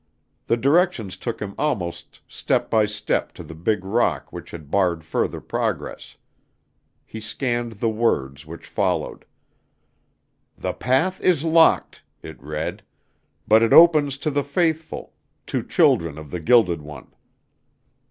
The directions took him almost step by step to the big rock which had barred further progress. He scanned the words which followed. "The path is locked," it read, "but it opens to the faithful to children of the Gilded One.